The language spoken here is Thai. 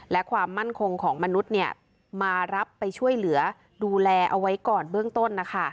และความมั่นคงของมนุษย์มารับไปช่วยเหลือดูแลเอาไว้ก่อนเบื้องต้นนะคะ